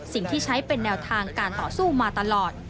สิ่งที่ใช้เป็นแนวทางการต่อสู้มาตลอด